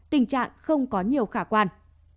tình trạng không có nhiều khả quan